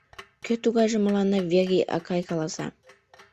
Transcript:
Кӧ тугайжым мыланна Верий акай каласа.